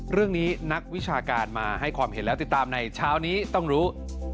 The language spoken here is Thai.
นักวิชาการมาให้ความเห็นแล้วติดตามในเช้านี้ต้องรู้